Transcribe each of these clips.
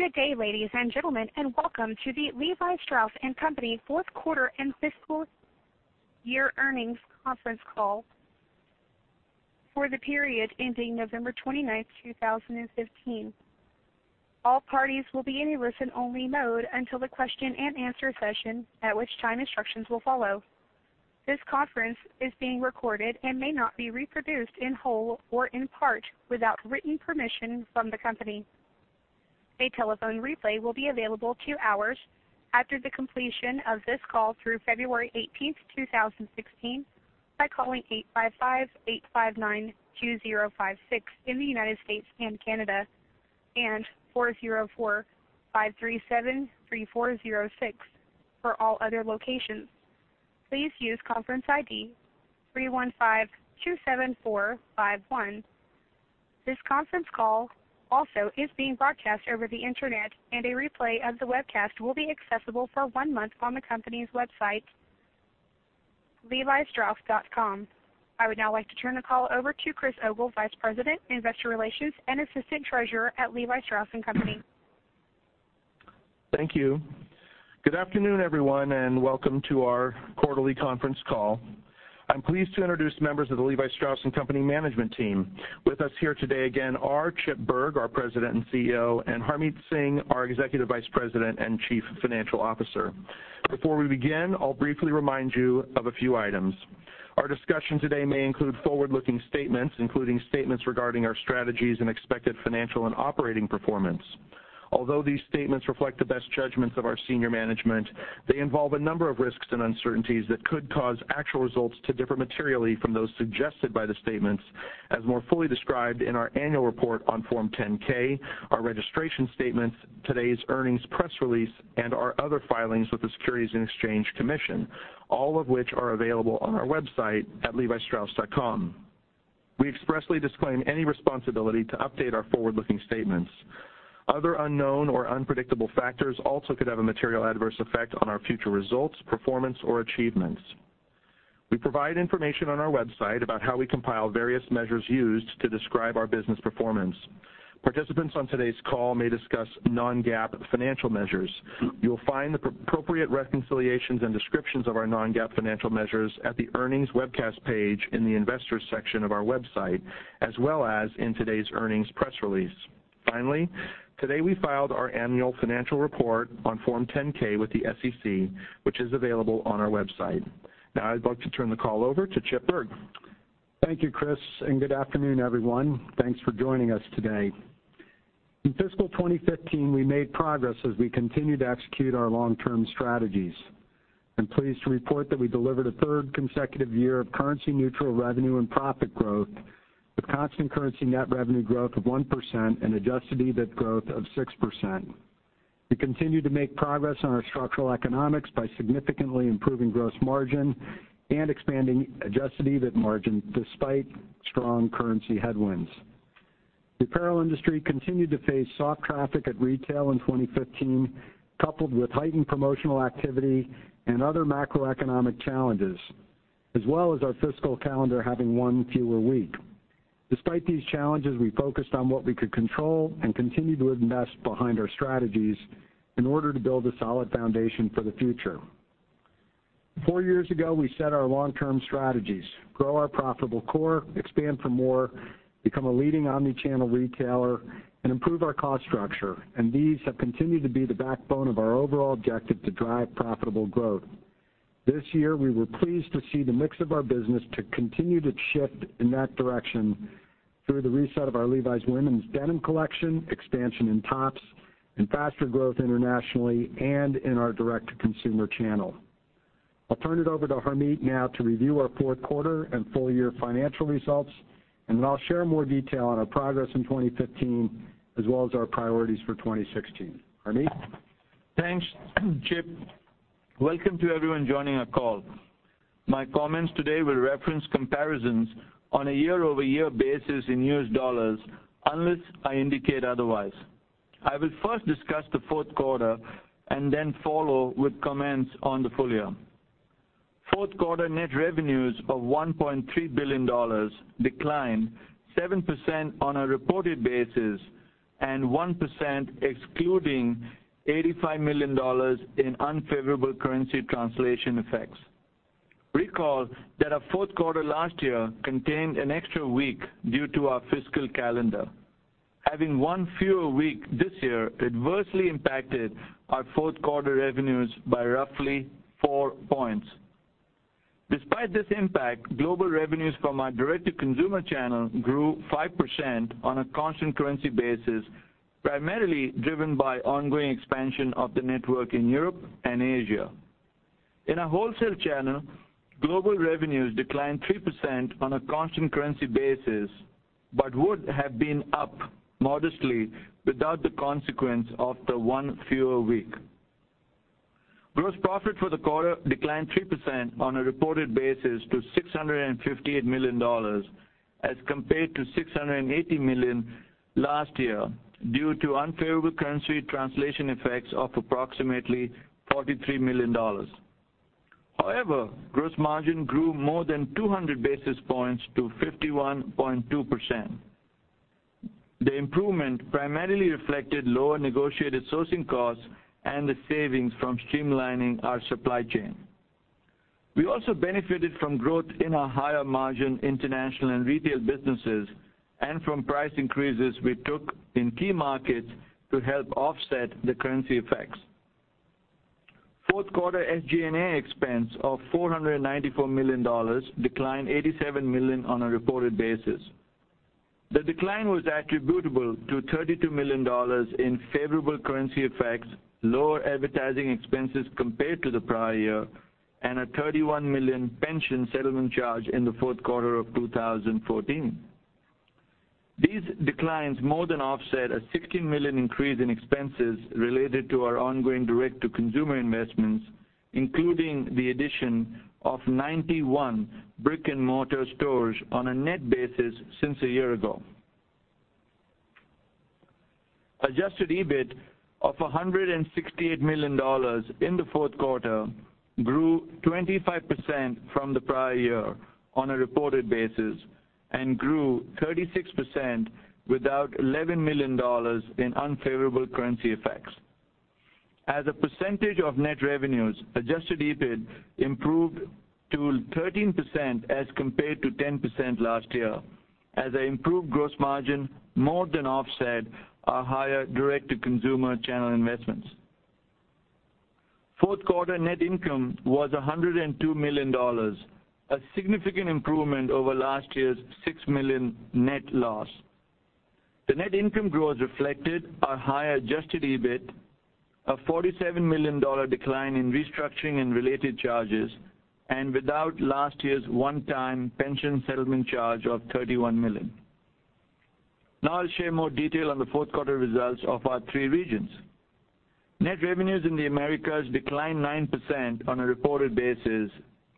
Good day, ladies and gentlemen, welcome to the Levi Strauss & Co. fourth quarter and fiscal year earnings conference call for the period ending November 29th, 2015. All parties will be in a listen-only mode until the question and answer session, at which time instructions will follow. This conference is being recorded and may not be reproduced in whole or in part without written permission from the company. A telephone replay will be available two hours after the completion of this call through February 18th, 2016, by calling 855-859-2056 in the U.S. and Canada and 404-537-3406 for all other locations. Please use conference ID 31527451. This conference call also is being broadcast over the internet, and a replay of the webcast will be accessible for one month on the company's website, levistrauss.com. I would now like to turn the call over to Chris Ogle, Vice President, Investor Relations and Assistant Treasurer at Levi Strauss & Co. Thank you. Good afternoon, everyone, welcome to our quarterly conference call. I'm pleased to introduce members of the Levi Strauss & Co. management team. With us here today again are Chip Bergh, our President and CEO, and Harmit Singh, our Executive Vice President and Chief Financial Officer. Before we begin, I'll briefly remind you of a few items. Our discussion today may include forward-looking statements, including statements regarding our strategies and expected financial and operating performance. Although these statements reflect the best judgments of our senior management, they involve a number of risks and uncertainties that could cause actual results to differ materially from those suggested by the statements as more fully described in our annual report on Form 10-K, our registration statements, today's earnings press release, and our other filings with the Securities and Exchange Commission, all of which are available on our website at levistrauss.com. We expressly disclaim any responsibility to update our forward-looking statements. Other unknown or unpredictable factors also could have a material adverse effect on our future results, performance, or achievements. We provide information on our website about how we compile various measures used to describe our business performance. Participants on today's call may discuss non-GAAP financial measures. You'll find the appropriate reconciliations and descriptions of our non-GAAP financial measures at the earnings webcast page in the investors section of our website, as well as in today's earnings press release. Finally, today we filed our annual financial report on Form 10-K with the SEC, which is available on our website. I'd like to turn the call over to Chip Bergh. Thank you, Chris. Good afternoon, everyone. Thanks for joining us today. In fiscal 2015, we made progress as we continue to execute our long-term strategies. I'm pleased to report that we delivered a third consecutive year of currency neutral revenue and profit growth, with constant currency net revenue growth of 1% adjusted EBIT growth of 6%. We continue to make progress on our structural economics by significantly improving gross margin expanding adjusted EBIT margin despite strong currency headwinds. The apparel industry continued to face soft traffic at retail in 2015, coupled with heightened promotional activity and other macroeconomic challenges, our fiscal calendar having one fewer week. Despite these challenges, we focused on what we could control and continued to invest behind our strategies in order to build a solid foundation for the future. Four years ago, we set our long-term strategies, grow our profitable core, expand for more, become a leading omni-channel retailer, improve our cost structure. These have continued to be the backbone of our overall objective to drive profitable growth. This year, we were pleased to see the mix of our business to continue to shift in that direction through the reset of our Levi's women's denim collection, expansion in tops, faster growth internationally and in our direct-to-consumer channel. I'll turn it over to Harmit now to review our fourth quarter and full year financial results, then I'll share more detail on our progress in 2015 our priorities for 2016. Harmit? Thanks Chip. Welcome to everyone joining our call. My comments today will reference comparisons on a year-over-year basis in US dollars, unless I indicate otherwise. I will first discuss the fourth quarter then follow with comments on the full year. Fourth quarter net revenues of $1.3 billion declined 7% on a reported basis and 1% excluding $85 million in unfavorable currency translation effects. Recall that our fourth quarter last year contained an extra week due to our fiscal calendar. Having one fewer week this year adversely impacted our fourth quarter revenues by roughly four points. Despite this impact, global revenues from our direct-to-consumer channel grew 5% on a constant currency basis, primarily driven by ongoing expansion of the network in Europe and Asia. In our wholesale channel, global revenues declined 3% on a constant currency basis, would have been up modestly without the consequence of the one fewer week. Gross profit for the quarter declined 3% on a reported basis to $658 million as compared to $680 million last year due to unfavorable currency translation effects of approximately $43 million. Gross margin grew more than 200 basis points to 51.2%. The improvement primarily reflected lower negotiated sourcing costs the savings from streamlining our supply chain. We also benefited from growth in our higher margin international and retail businesses, from price increases we took in key markets to help offset the currency effects. Fourth quarter SG&A expense of $494 million, declined $87 million on a reported basis. The decline was attributable to $32 million in favorable currency effects, lower advertising expenses compared to the prior year, and a $31 million pension settlement charge in the fourth quarter of 2014. These declines more than offset a $16 million increase in expenses related to our ongoing direct-to-consumer investments, including the addition of 91 brick-and-mortar stores on a net basis since a year ago. Adjusted EBIT of $168 million in the fourth quarter grew 25% from the prior year on a reported basis and grew 36% without $11 million in unfavorable currency effects. As a percentage of net revenues, Adjusted EBIT improved to 13% as compared to 10% last year, as an improved gross margin more than offset our higher direct-to-consumer channel investments. Fourth quarter net income was $102 million, a significant improvement over last year's $6 million net loss. The net income growth reflected our higher Adjusted EBIT of $47 million decline in restructuring and related charges, and without last year's one-time pension settlement charge of $31 million. I'll share more detail on the fourth quarter results of our three regions. Net revenues in the Americas declined 9% on a reported basis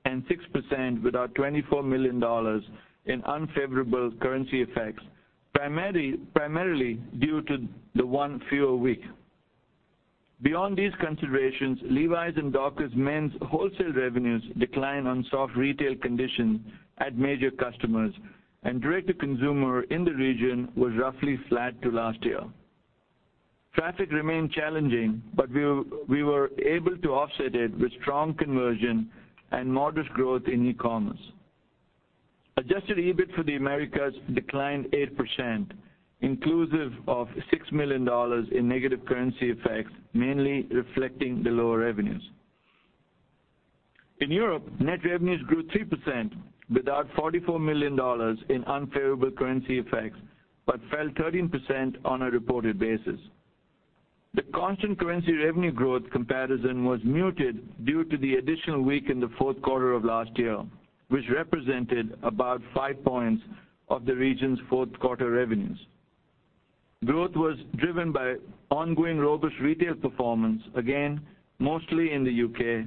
and 6% without $24 million in unfavorable currency effects, primarily due to the one fewer week. Beyond these considerations, Levi's and Dockers men's wholesale revenues declined on soft retail conditions at major customers, and direct-to-consumer in the region was roughly flat to last year. Traffic remained challenging, but we were able to offset it with strong conversion and modest growth in e-commerce. Adjusted EBIT for the Americas declined 8%, inclusive of $6 million in negative currency effects, mainly reflecting the lower revenues. Europe, net revenues grew 3% without $44 million in unfavorable currency effects, but fell 13% on a reported basis. The constant currency revenue growth comparison was muted due to the additional week in the fourth quarter of last year, which represented about five points of the region's fourth quarter revenues. Growth was driven by ongoing robust retail performance, again, mostly in the U.K.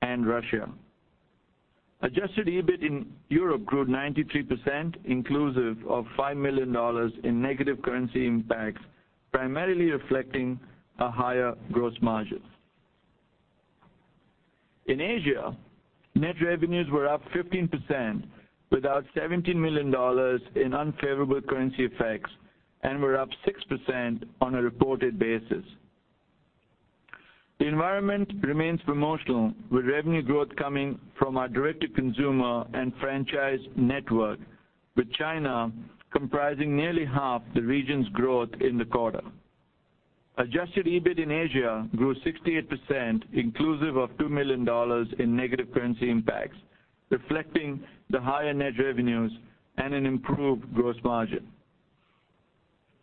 and Russia. Adjusted EBIT in Europe grew 93%, inclusive of $5 million in negative currency impacts, primarily reflecting a higher gross margin. Asia, net revenues were up 15% without $17 million in unfavorable currency effects and were up 6% on a reported basis. The environment remains promotional with revenue growth coming from our direct-to-consumer and franchise network, with China comprising nearly half the region's growth in the quarter. Adjusted EBIT in Asia grew 68%, inclusive of $2 million in negative currency impacts, reflecting the higher net revenues and an improved gross margin.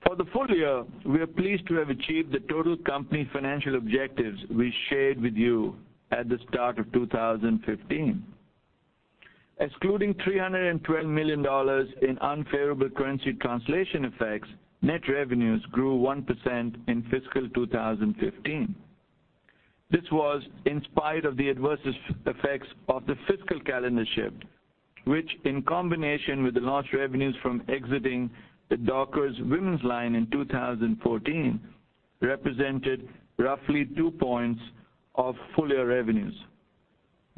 For the full year, we are pleased to have achieved the total company financial objectives we shared with you at the start of 2015. Excluding $312 million in unfavorable currency translation effects, net revenues grew 1% in fiscal 2015. This was in spite of the adverse effects of the fiscal calendar shift, which in combination with the launch revenues from exiting the Dockers women's line in 2014, represented roughly two points of full-year revenues.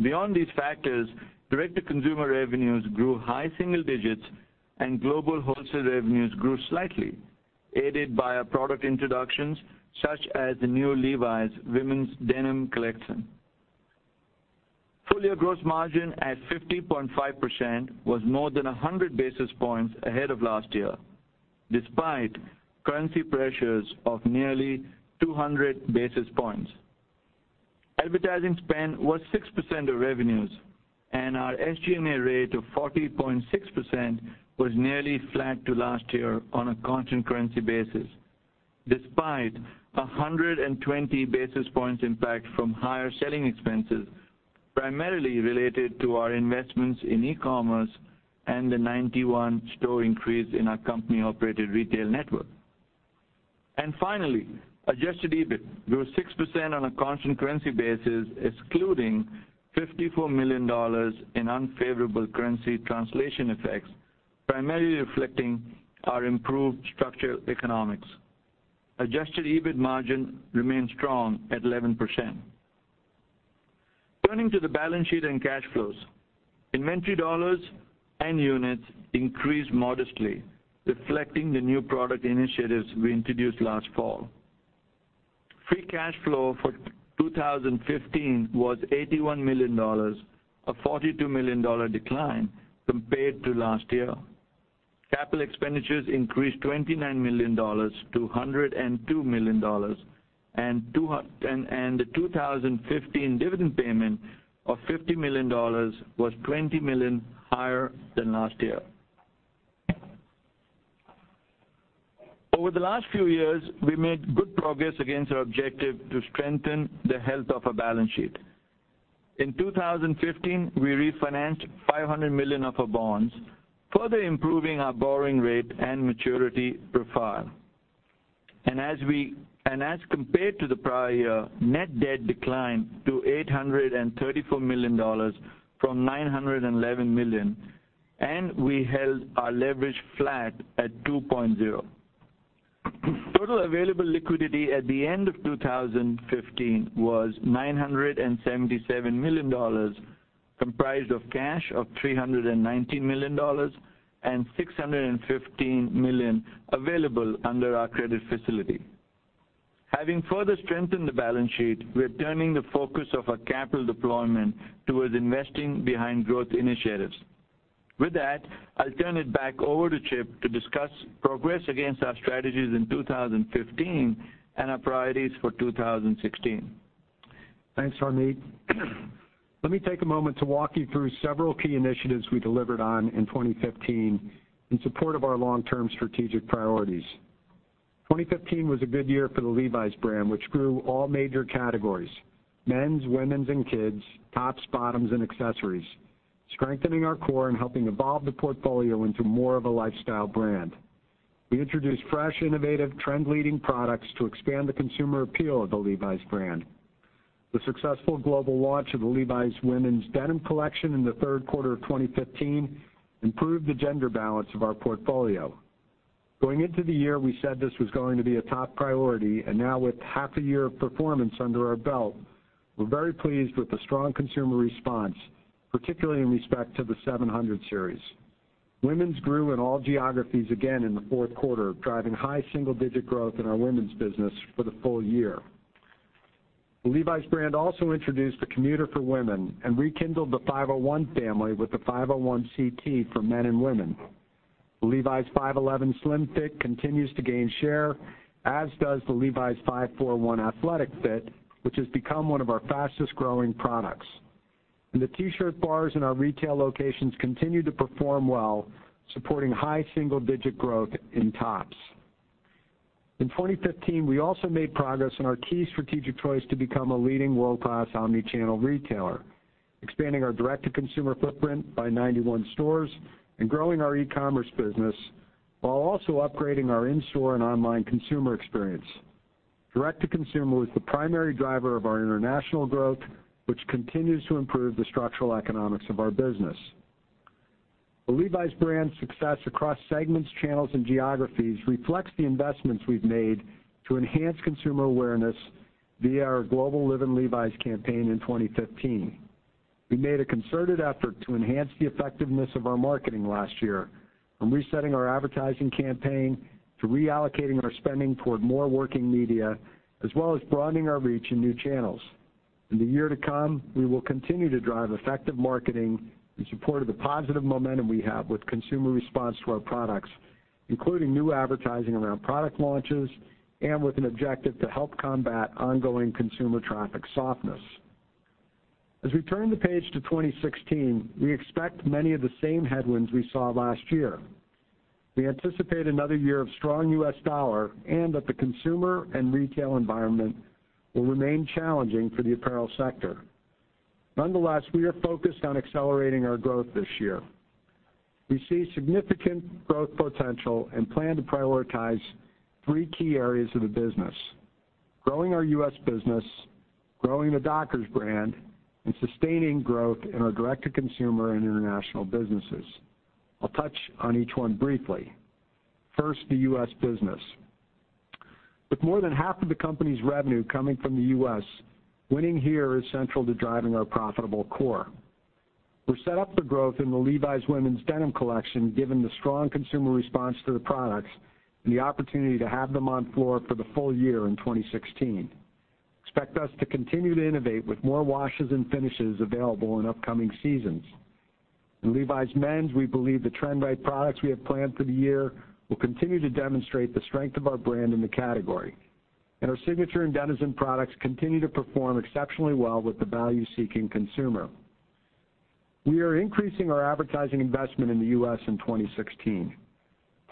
Beyond these factors, direct-to-consumer revenues grew high single digits, and global wholesale revenues grew slightly, aided by our product introductions such as the new Levi's women's denim collection. Full-year gross margin at 50.5% was more than 100 basis points ahead of last year, despite currency pressures of nearly 200 basis points. Advertising spend was 6% of revenues. Our SG&A rate of 40.6% was nearly flat to last year on a constant currency basis, despite 120 basis points impact from higher selling expenses, primarily related to our investments in e-commerce and the 91 store increase in our company-operated retail network. Finally, adjusted EBIT grew 6% on a constant currency basis, excluding $54 million in unfavorable currency translation effects, primarily reflecting our improved structural economics. Adjusted EBIT margin remained strong at 11%. Turning to the balance sheet and cash flows. Inventory dollars and units increased modestly, reflecting the new product initiatives we introduced last fall. Free cash flow for 2015 was $81 million, a $42 million decline compared to last year. Capital expenditures increased $29 million to $102 million. The 2015 dividend payment of $50 million was $20 million higher than last year. Over the last few years, we made good progress against our objective to strengthen the health of our balance sheet. In 2015, we refinanced $500 million of our bonds, further improving our borrowing rate and maturity profile. As compared to the prior year, net debt declined to $834 million from $911 million, and we held our leverage flat at 2.0. Total available liquidity at the end of 2015 was $977 million, comprised of cash of $319 million and $615 million available under our credit facility. Having further strengthened the balance sheet, we are turning the focus of our capital deployment towards investing behind growth initiatives. With that, I'll turn it back over to Chip to discuss progress against our strategies in 2015 and our priorities for 2016. Thanks, Harmit. Let me take a moment to walk you through several key initiatives we delivered on in 2015 in support of our long-term strategic priorities. 2015 was a good year for the Levi's brand, which grew all major categories, men's, women's, and kids', tops, bottoms, and accessories, strengthening our core and helping evolve the portfolio into more of a lifestyle brand. We introduced fresh, innovative, trend-leading products to expand the consumer appeal of the Levi's brand. The successful global launch of the Levi's women's denim collection in the third quarter of 2015 improved the gender balance of our portfolio. Going into the year, we said this was going to be a top priority. Now with half a year of performance under our belt, we're very pleased with the strong consumer response, particularly in respect to the 700 Series. Women's grew in all geographies again in the fourth quarter, driving high single-digit growth in our women's business for the full year. The Levi's brand also introduced the Commuter for women and rekindled the 501 family with the 501 CT for men and women. Levi's 511 Slim Fit continues to gain share, as does the Levi's 541 Athletic Fit, which has become one of our fastest-growing products. The T-shirt bars in our retail locations continue to perform well, supporting high single-digit growth in tops. In 2015, we also made progress on our key strategic choice to become a leading world-class omni-channel retailer, expanding our direct-to-consumer footprint by 91 stores and growing our e-commerce business, while also upgrading our in-store and online consumer experience. Direct-to-consumer was the primary driver of our international growth, which continues to improve the structural economics of our business. The Levi's brand success across segments, channels, and geographies reflects the investments we've made to enhance consumer awareness via our global Live in Levi's campaign in 2015. We made a concerted effort to enhance the effectiveness of our marketing last year, from resetting our advertising campaign to reallocating our spending toward more working media as well as broadening our reach in new channels. In the year to come, we will continue to drive effective marketing in support of the positive momentum we have with consumer response to our products, including new advertising around product launches and with an objective to help combat ongoing consumer traffic softness. As we turn the page to 2016, we expect many of the same headwinds we saw last year. We anticipate another year of strong U.S. dollar and that the consumer and retail environment will remain challenging for the apparel sector. Nonetheless, we are focused on accelerating our growth this year. We see significant growth potential and plan to prioritize three key areas of the business, growing our U.S. business, growing the Dockers brand, and sustaining growth in our direct-to-consumer and international businesses. I'll touch on each one briefly. First, the U.S. business. With more than half of the company's revenue coming from the U.S., winning here is central to driving our profitable core. We're set up for growth in the Levi's women's denim collection, given the strong consumer response to the products and the opportunity to have them on floor for the full year in 2016. Expect us to continue to innovate with more washes and finishes available in upcoming seasons. In Levi's men's, we believe the trend-right products we have planned for the year will continue to demonstrate the strength of our brand in the category. Our Signature and Denizen products continue to perform exceptionally well with the value-seeking consumer. We are increasing our advertising investment in the U.S. in 2016.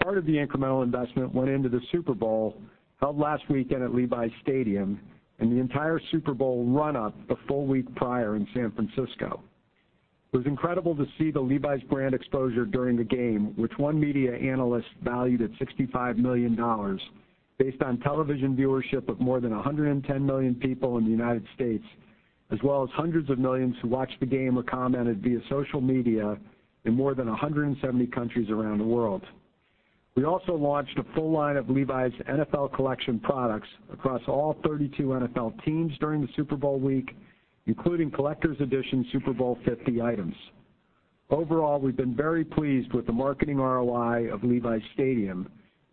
Part of the incremental investment went into the Super Bowl, held last weekend at Levi's Stadium, and the entire Super Bowl run-up the full week prior in San Francisco. It was incredible to see the Levi's brand exposure during the game, which one media analyst valued at $65 million based on television viewership of more than 110 million people in the U.S. As well as hundreds of millions who watched the game or commented via social media in more than 170 countries around the world. We also launched a full line of Levi's NFL collection products across all 32 NFL teams during the Super Bowl week, including collector's edition Super Bowl 50 items. Overall, we've been very pleased with the marketing ROI of Levi's Stadium,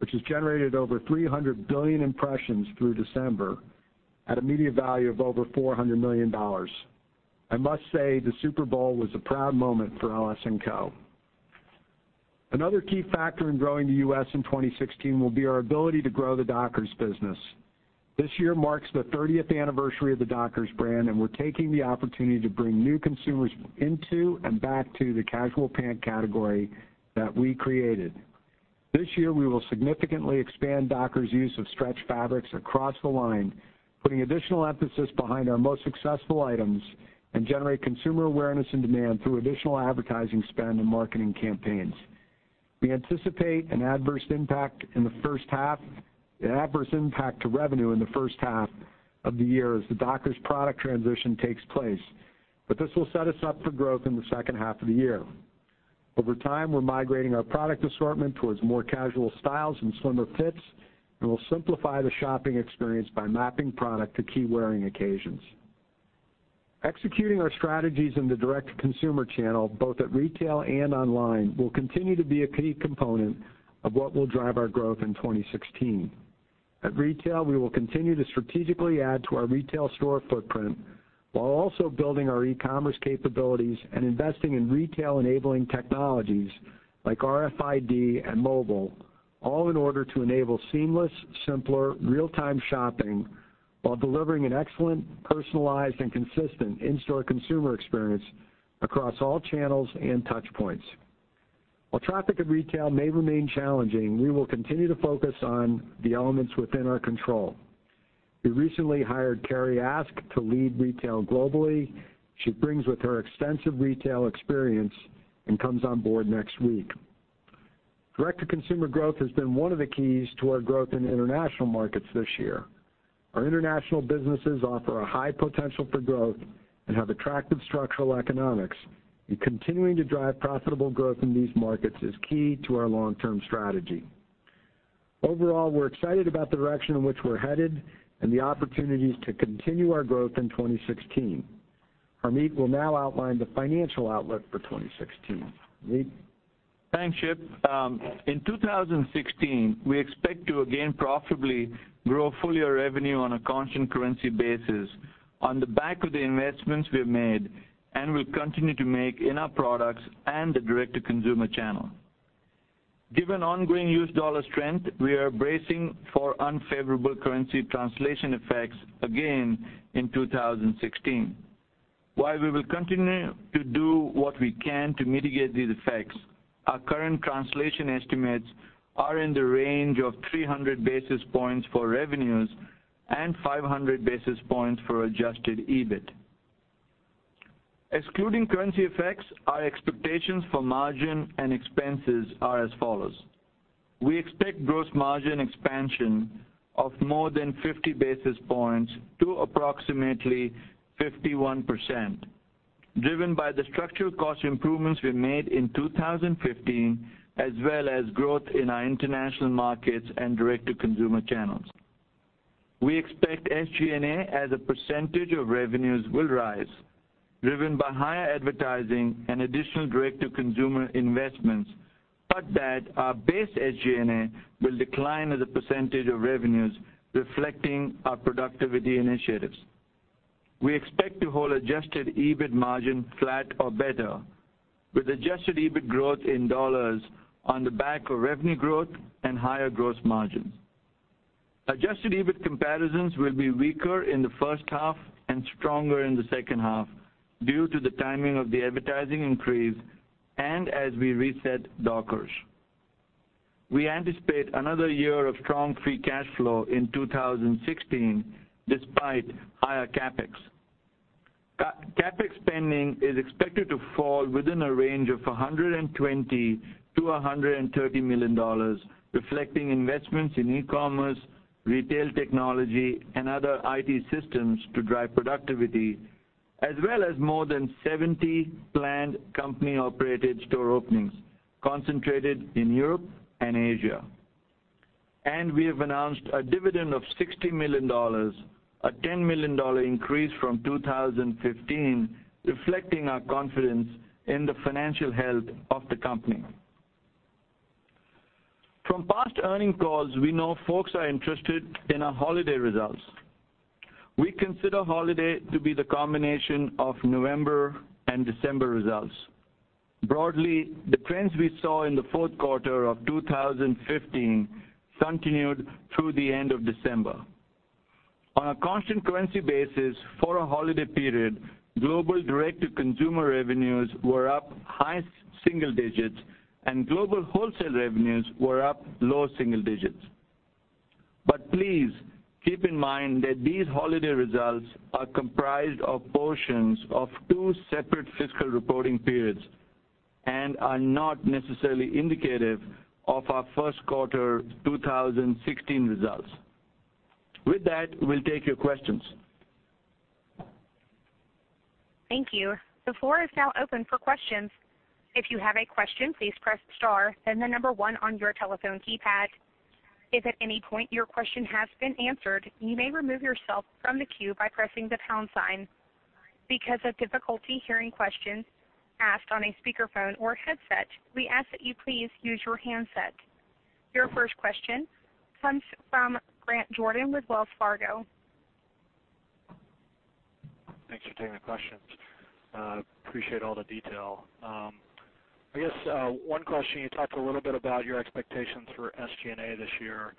which has generated over 300 billion impressions through December at a media value of over $400 million. I must say, the Super Bowl was a proud moment for LS&Co. Another key factor in growing the U.S. in 2016 will be our ability to grow the Dockers business. This year marks the 30th anniversary of the Dockers brand, and we're taking the opportunity to bring new consumers into and back to the casual pant category that we created. This year, we will significantly expand Dockers' use of stretch fabrics across the line, putting additional emphasis behind our most successful items, and generate consumer awareness and demand through additional advertising spend and marketing campaigns. We anticipate an adverse impact to revenue in the first half of the year as the Dockers product transition takes place. This will set us up for growth in the second half of the year. Over time, we're migrating our product assortment towards more casual styles and slimmer fits, and we'll simplify the shopping experience by mapping product to key wearing occasions. Executing our strategies in the direct-to-consumer channel, both at retail and online, will continue to be a key component of what will drive our growth in 2016. At retail, we will continue to strategically add to our retail store footprint while also building our e-commerce capabilities and investing in retail-enabling technologies like RFID and mobile, all in order to enable seamless, simpler, real-time shopping while delivering an excellent, personalized, and consistent in-store consumer experience across all channels and touchpoints. While traffic at retail may remain challenging, we will continue to focus on the elements within our control. We recently hired Carrie Ask to lead retail globally. She brings with her extensive retail experience and comes on board next week. Direct-to-consumer growth has been one of the keys to our growth in international markets this year. Our international businesses offer a high potential for growth and have attractive structural economics, and continuing to drive profitable growth in these markets is key to our long-term strategy. Overall, we're excited about the direction in which we're headed and the opportunities to continue our growth in 2016. Harmit will now outline the financial outlook for 2016. Harmit? Thanks, Chip. In 2016, we expect to again profitably grow full-year revenue on a constant currency basis on the back of the investments we have made and will continue to make in our products and the direct-to-consumer channel. Given ongoing U.S. dollar strength, we are bracing for unfavorable currency translation effects again in 2016. While we will continue to do what we can to mitigate these effects, our current translation estimates are in the range of 300 basis points for revenues and 500 basis points for adjusted EBIT. Excluding currency effects, our expectations for margin and expenses are as follows. We expect gross margin expansion of more than 50 basis points to approximately 51%, driven by the structural cost improvements we made in 2015, as well as growth in our international markets and direct-to-consumer channels. We expect SG&A as a percentage of revenues will rise, driven by higher advertising and additional direct-to-consumer investments, but that our base SG&A will decline as a percentage of revenues, reflecting our productivity initiatives. We expect to hold adjusted EBIT margin flat or better with adjusted EBIT growth in dollars on the back of revenue growth and higher gross margins. Adjusted EBIT comparisons will be weaker in the first half and stronger in the second half due to the timing of the advertising increase and as we reset Dockers. We anticipate another year of strong free cash flow in 2016, despite higher CapEx. CapEx spending is expected to fall within a range of $120 million-$130 million, reflecting investments in e-commerce, retail technology, and other IT systems to drive productivity, as well as more than 70 planned company-operated store openings concentrated in Europe and Asia. We have announced a dividend of $60 million, a $10 million increase from 2015, reflecting our confidence in the financial health of the company. From past earnings calls, we know folks are interested in our holiday results. We consider holiday to be the combination of November and December results. Broadly, the trends we saw in the fourth quarter of 2015 continued through the end of December. On a constant currency basis for a holiday period, global direct-to-consumer revenues were up high single digits, and global wholesale revenues were up low single digits. Please keep in mind that these holiday results are comprised of portions of two separate fiscal reporting periods. Are not necessarily indicative of our first quarter 2016 results. With that, we'll take your questions. Thank you. The floor is now open for questions. If you have a question, please press star, then the number one on your telephone keypad. If at any point your question has been answered, you may remove yourself from the queue by pressing the pound sign. Because of difficulty hearing questions asked on a speakerphone or headset, we ask that you please use your handset. Your first question comes from Grant Jordan with Wells Fargo. Thanks for taking my questions. Appreciate all the detail. I guess, one question, you talked a little bit about your expectations for SG&A this year.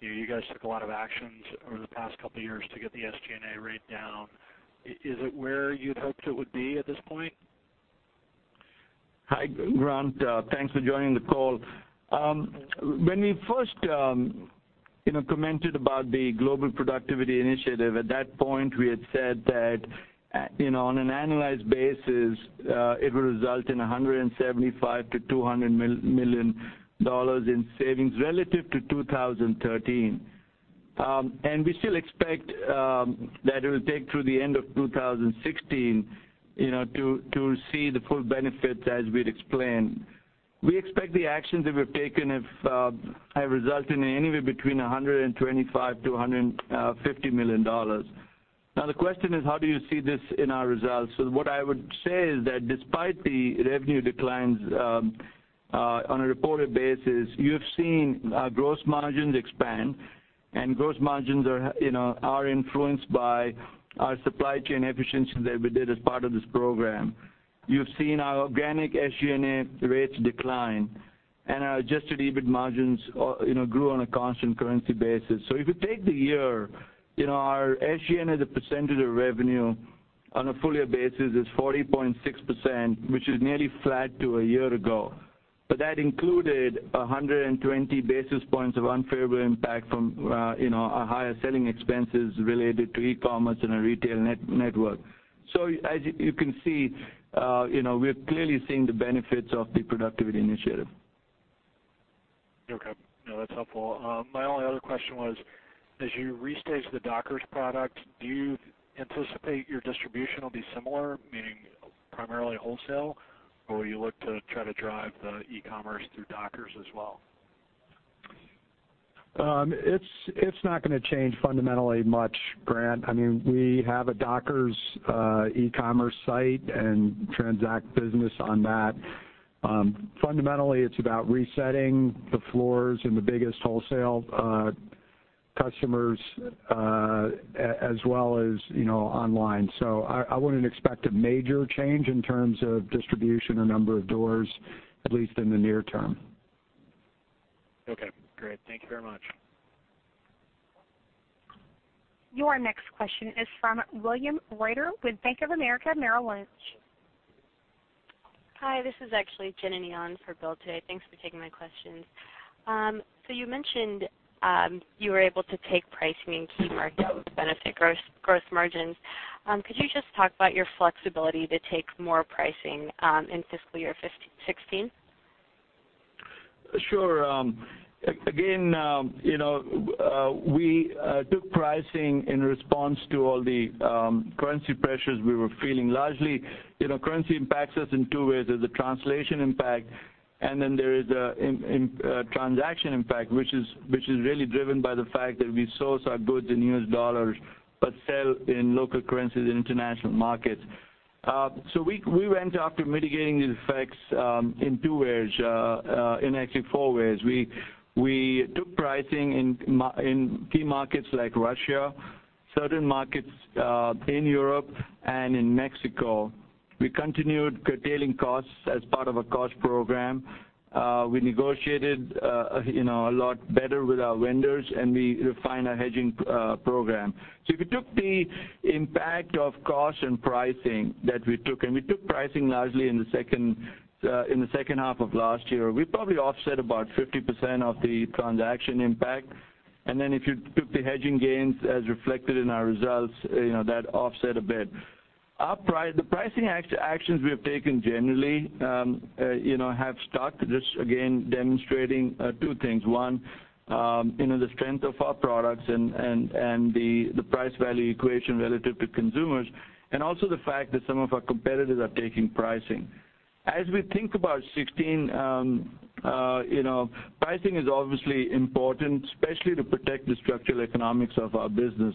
You guys took a lot of actions over the past couple of years to get the SG&A rate down. Is it where you'd hoped it would be at this point? Hi, Grant. Thanks for joining the call. When we first commented about the Global Productivity Initiative, at that point, we had said that, on an annualized basis, it will result in $175 million to $200 million in savings relative to 2013. We still expect that it will take through the end of 2016 to see the full benefits as we had explained. We expect the actions that we've taken have resulted in anywhere between $125 million to $150 million. The question is, how do you see this in our results? What I would say is that despite the revenue declines on a reported basis, you have seen our gross margins expand and gross margins are influenced by our supply chain efficiencies that we did as part of this program. You've seen our organic SG&A rates decline, and our adjusted EBIT margins grew on a constant currency basis. If you take the year, our SG&A as a percentage of revenue on a full year basis is 40.6%, which is nearly flat to a year ago. That included 120 basis points of unfavorable impact from our higher selling expenses related to e-commerce and our retail net network. As you can see, we're clearly seeing the benefits of the productivity initiative. Okay. No, that's helpful. My only other question was, as you restage the Dockers product, do you anticipate your distribution will be similar, meaning primarily wholesale, or will you look to try to drive the e-commerce through Dockers as well? It's not going to change fundamentally much, Grant. We have a Dockers e-commerce site and transact business on that. Fundamentally, it's about resetting the floors and the biggest wholesale customers, as well as online. I wouldn't expect a major change in terms of distribution or number of doors, at least in the near term. Okay, great. Thank you very much. Your next question is from William Reuter with Bank of America Merrill Lynch. Hi, this is actually Jenna Neon for Bill today. Thanks for taking my questions. You mentioned, you were able to take pricing in key markets that would benefit gross margins. Could you just talk about your flexibility to take more pricing in fiscal year 2016? Sure. Again, we took pricing in response to all the currency pressures we were feeling. Largely, currency impacts us in two ways. There is a translation impact, and then there is a transaction impact, which is really driven by the fact that we source our goods in US dollars but sell in local currencies in international markets. We went after mitigating these effects in two ways, in actually four ways. We took pricing in key markets like Russia, certain markets in Europe and in Mexico. We continued curtailing costs as part of a cost program. We negotiated a lot better with our vendors, and we refined our hedging program. If you took the impact of cost and pricing that we took, and we took pricing largely in the second half of last year, we probably offset about 50% of the transaction impact. If you took the hedging gains as reflected in our results, that offset a bit. The pricing actions we have taken generally have stuck. Just again, demonstrating two things. One, the strength of our products and the price value equation relative to consumers, and also the fact that some of our competitors are taking pricing. As we think about 2016, pricing is obviously important, especially to protect the structural economics of our business.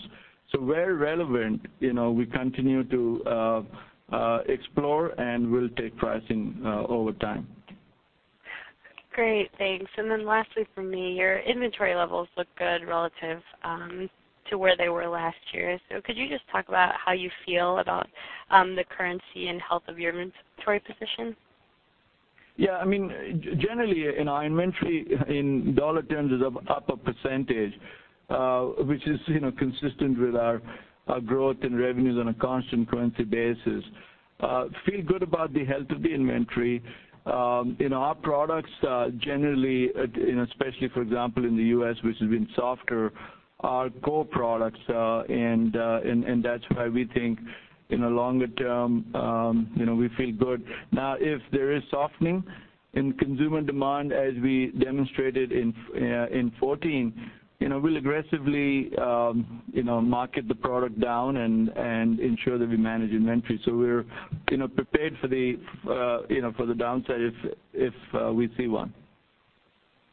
Where relevant, we continue to explore and will take pricing over time. Great. Thanks. Lastly from me, your inventory levels look good relative to where they were last year. Could you just talk about how you feel about the currency and health of your inventory position? Yeah. Generally, our inventory in dollar terms is up a percentage, which is consistent with our growth in revenues on a constant currency basis. Feel good about the health of the inventory. Our products generally, especially, for example, in the U.S., which has been softer, are core products. That's why we think longer term, we feel good. Now, if there is softening in consumer demand as we demonstrated in 2014, we'll aggressively market the product down and ensure that we manage inventory. We're prepared for the downside if we see one.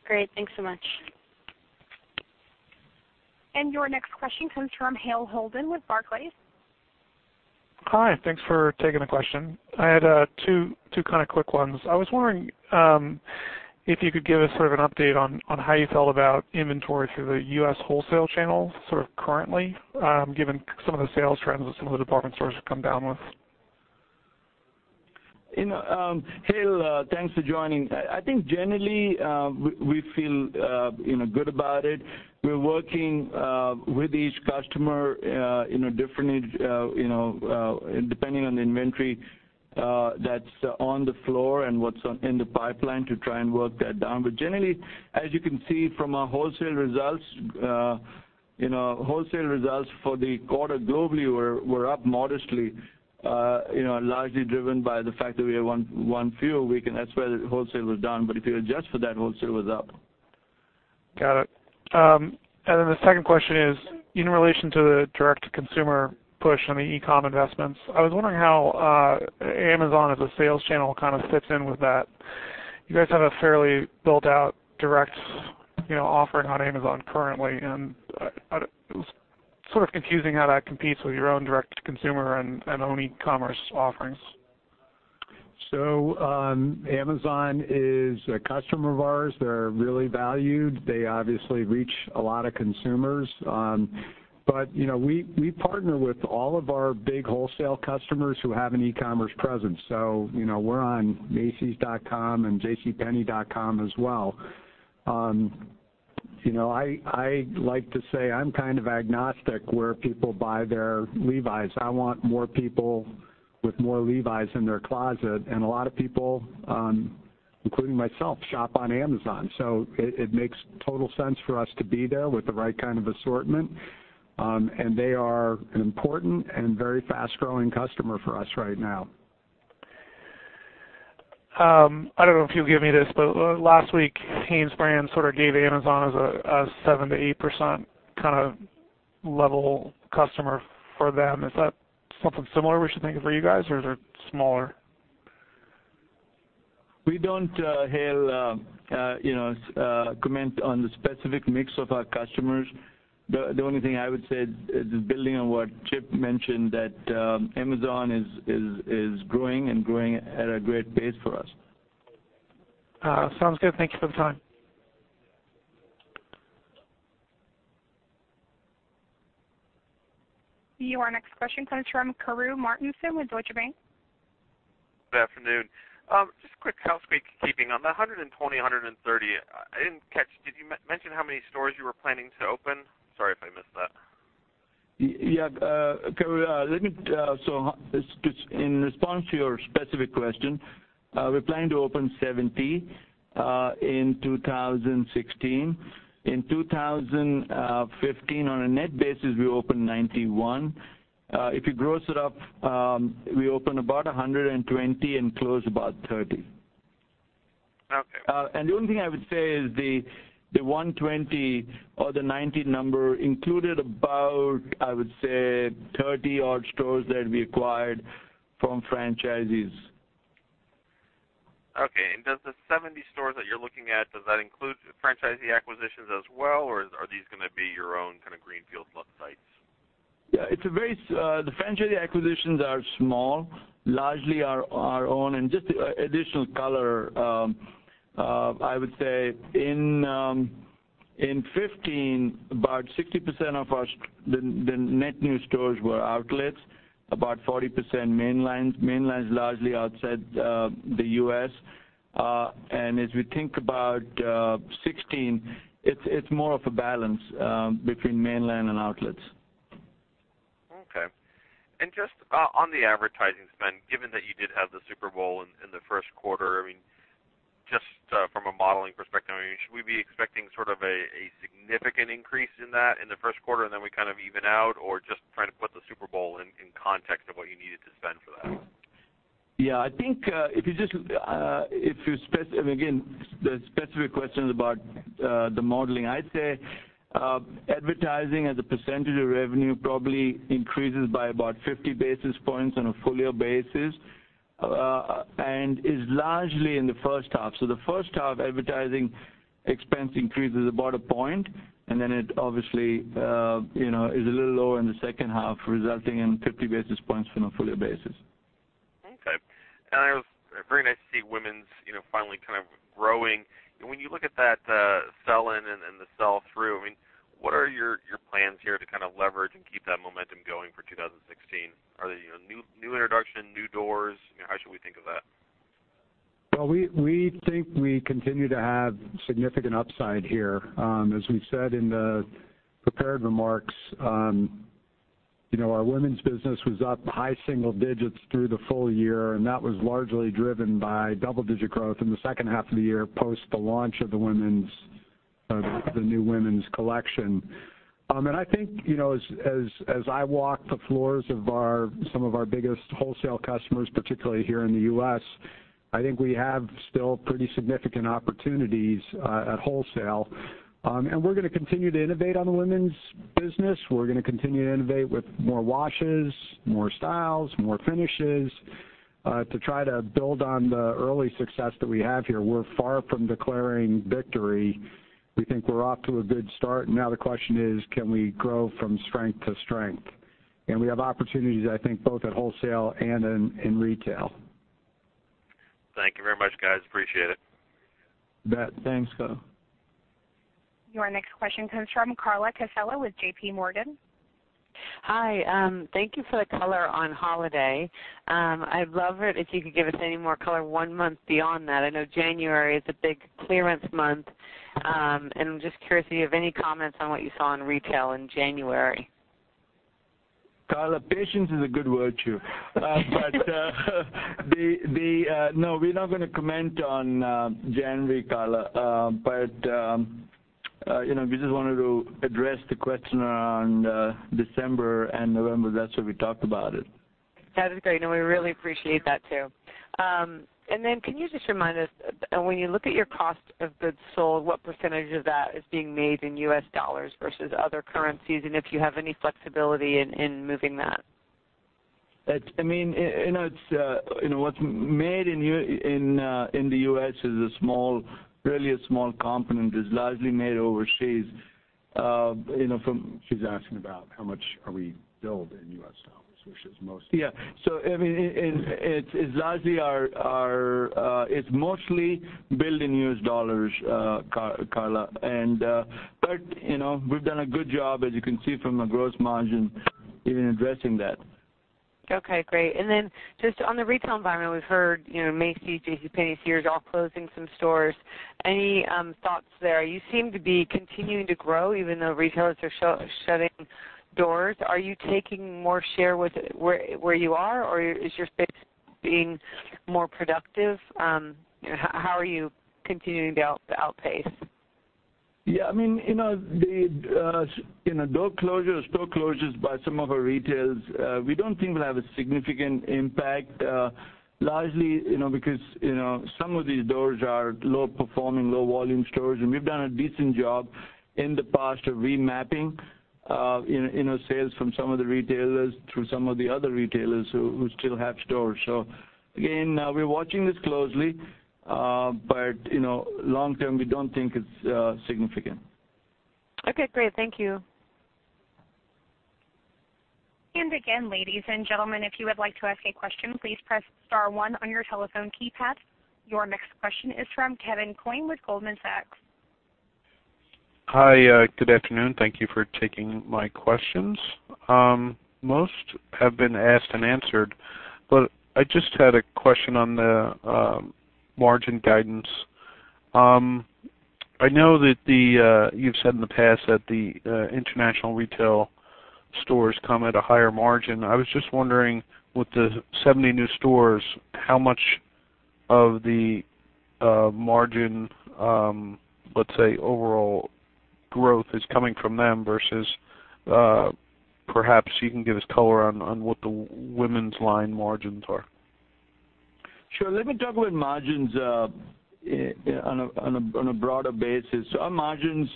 Great. Thanks so much. Your next question comes from Hale Holden with Barclays. Hi. Thanks for taking the question. I had two quick ones. I was wondering if you could give us sort of an update on how you felt about inventory through the U.S. wholesale channel sort of currently, given some of the sales trends that some of the department stores have come down with. Hale, thanks for joining. I think generally, we feel good about it. We're working with each customer differently, depending on the inventory that's on the floor and what's in the pipeline to try and work that down. Generally, as you can see from our wholesale results, wholesale results for the quarter globally were up modestly, largely driven by the fact that we had one fewer week, and that's why the wholesale was down. If you adjust for that, wholesale was up. Got it. The second question is, in relation to the direct-to-consumer push on the e-com investments, I was wondering how Amazon as a sales channel kind of fits in with that. You guys have a fairly built-out direct offering on Amazon currently, it was sort of confusing how that competes with your own direct-to-consumer and own e-commerce offerings. Amazon is a customer of ours. They're really valued. They obviously reach a lot of consumers. We partner with all of our big wholesale customers who have an e-commerce presence. We're on macys.com and jcpenney.com as well. I like to say I'm kind of agnostic where people buy their Levi's. I want more people with more Levi's in their closet. A lot of people, including myself, shop on Amazon. It makes total sense for us to be there with the right kind of assortment. They are an important and very fast-growing customer for us right now. I don't know if you'll give me this. Last week, Hanesbrands sort of gave Amazon as a 7%-8% kind of level customer for them. Is that something similar we should think of for you guys, or is it smaller? We don't, Hale, comment on the specific mix of our customers. The only thing I would say is just building on what Chip mentioned, that Amazon is growing and growing at a great pace for us. Sounds good. Thank you for the time. Your next question comes from Karru Martinson with Deutsche Bank. Good afternoon. Just quick housekeeping on the 120, 130. I didn't catch. Did you mention how many stores you were planning to open? Sorry if I missed that. Yeah. Karru, in response to your specific question, we're planning to open 70 in 2016. In 2015, on a net basis, we opened 91. If you gross it up, we opened about 120 and closed about 30. Okay. The only thing I would say is the 120 or the 90 number included about, I would say, 30-odd stores that we acquired from franchisees. Okay. Does the 70 stores that you're looking at, does that include franchisee acquisitions as well, or are these gonna be your own kind of greenfield sites? The franchisee acquisitions are small. Largely our own. Just additional color, I would say in 2015, about 60% of the net new stores were outlets, about 40% mainline. Mainline's largely outside the U.S. As we think about 2016, it's more of a balance between mainline and outlets. Okay. Just on the advertising spend, given that you did have the Super Bowl in the first quarter, just from a modeling perspective, should we be expecting sort of a significant increase in that in the first quarter, then we kind of even out? Just trying to put the Super Bowl in context of what you needed to spend for that. Again, the specific question is about the modeling. I'd say advertising as a percentage of revenue probably increases by about 50 basis points on a full-year basis and is largely in the first half. The first half, advertising expense increases about a point, then it obviously is a little lower in the second half, resulting in 50 basis points on a full-year basis. Okay. It was very nice to see women's finally kind of growing. When you look at that sell-in and the sell-through, what are your plans here to kind of leverage and keep that momentum going for 2016? Are they new introduction, new doors? Well, we think we continue to have significant upside here. As we've said in the prepared remarks, our women's business was up high single digits through the full year, and that was largely driven by double-digit growth in the second half of the year post the launch of the new women's collection. I think, as I walk the floors of some of our biggest wholesale customers, particularly here in the U.S., I think we have still pretty significant opportunities at wholesale. We're going to continue to innovate on the women's business. We're going to continue to innovate with more washes, more styles, more finishes, to try to build on the early success that we have here. We're far from declaring victory. We think we're off to a good start, and now the question is: Can we grow from strength to strength? We have opportunities, I think, both at wholesale and in retail. Thank you very much, guys. Appreciate it. Bet. Thanks, Karru. Your next question comes from Carla Casella with JP Morgan. Hi. Thank you for the color on holiday. I'd love it if you could give us any more color one month beyond that. I know January is a big clearance month, and I'm just curious if you have any comments on what you saw in retail in January. Carla, patience is a good virtue. No, we're not going to comment on January, Carla. We just wanted to address the question around December and November. That's why we talked about it. That is great, we really appreciate that, too. Can you just remind us, when you look at your cost of goods sold, what % of that is being made in U.S. dollars versus other currencies, and if you have any flexibility in moving that? What's made in the U.S. is really a small component. It's largely made overseas. She's asking about how much are we billed in U.S. dollars, which is most- Yeah. It's mostly billed in U.S. dollars, Carla. We've done a good job, as you can see from the gross margin, in addressing that. Okay, great. Then just on the retail environment, we've heard Macy's, JCPenney, Sears all closing some stores. Any thoughts there? You seem to be continuing to grow even though retailers are shutting doors. Are you taking more share where you are, or is your space being more productive? How are you continuing to outpace? Yeah. Door closures, store closures by some of our retailers, we don't think will have a significant impact. Largely, because some of these doors are low-performing, low-volume stores, and we've done a decent job in the past of remapping sales from some of the retailers through some of the other retailers who still have stores. Again, we're watching this closely, but long term, we don't think it's significant. Okay, great. Thank you. Again, ladies and gentlemen, if you would like to ask a question, please press star 1 on your telephone keypad. Your next question is from Kevin Coyne with Goldman Sachs. Hi. Good afternoon. Thank you for taking my questions. Most have been asked and answered, I just had a question on the margin guidance. I know that you've said in the past that the international retail stores come at a higher margin. I was just wondering with the 70 new stores, how much of the margin, let's say, overall growth is coming from them versus perhaps you can give us color on what the women's line margins are. Let me talk about margins on a broader basis. Our margins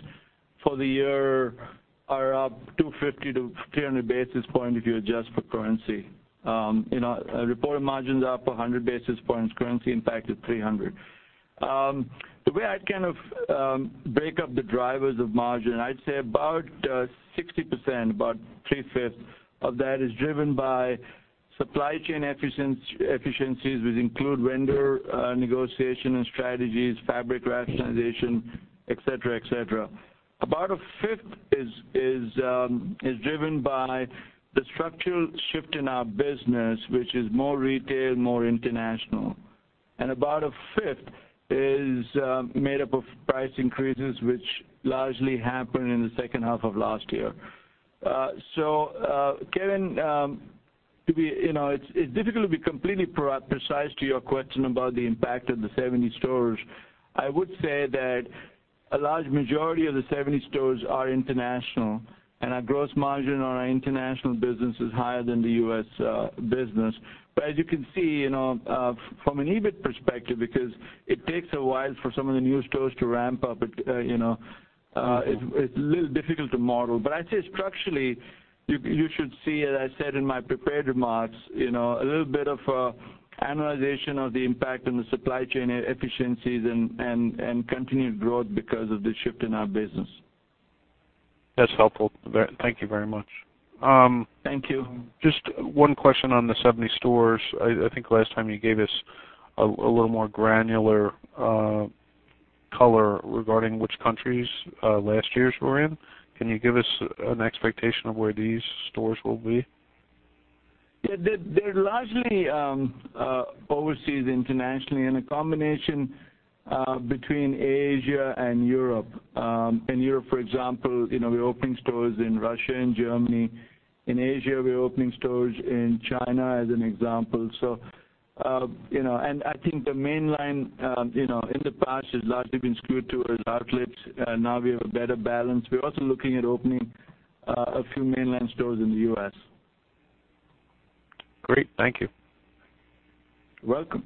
for the year are up 250-300 basis points if you adjust for currency. Reported margins are up 100 basis points. Currency impact is 300 basis points. The way I'd break up the drivers of margin, I'd say about 60%, about three-fifths of that is driven by supply chain efficiencies, which include vendor negotiation and strategies, fabric rationalization, et cetera, et cetera. About a fifth is driven by the structural shift in our business, which is more retail, more international. About a fifth is made up of price increases, which largely happened in the second half of last year. Kevin, it's difficult to be completely precise to your question about the impact of the 70 stores. I would say that a large majority of the 70 stores are international, and our gross margin on our international business is higher than the U.S. business. As you can see, from an EBIT perspective, because it takes a while for some of the new stores to ramp up, it's a little difficult to model. I'd say structurally, you should see, as I said in my prepared remarks, a little bit of annualization of the impact on the supply chain efficiencies and continued growth because of the shift in our business. That's helpful. Thank you very much. Thank you. Just one question on the 70 stores. I think last time you gave us a little more granular color regarding which countries last year's were in. Can you give us an expectation of where these stores will be? Yeah. They're largely overseas, internationally, and a combination between Asia and Europe. In Europe, for example, we're opening stores in Russia and Germany. In Asia, we're opening stores in China, as an example. I think the mainline, in the past, has largely been skewed to our outlets. Now we have a better balance. We're also looking at opening a few mainline stores in the U.S. Great. Thank you. Welcome.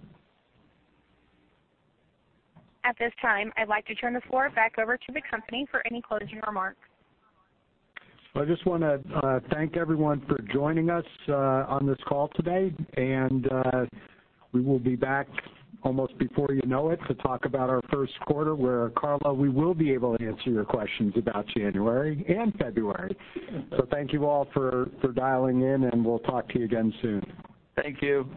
At this time, I'd like to turn the floor back over to the company for any closing remarks. I just want to thank everyone for joining us on this call today. We will be back almost before you know it to talk about our first quarter, where, Carla, we will be able to answer your questions about January and February. Thank you all for dialing in, and we'll talk to you again soon. Thank you.